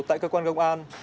tại cơ quan công an